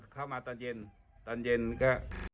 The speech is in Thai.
เข้ามาตอนเย็นตอนเย็นก็